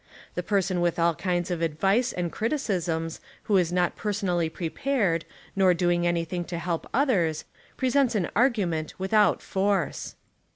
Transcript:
The person with all kinds of advice and criticisms who is not personally prepared nor doing anything to help others presents an argument without force.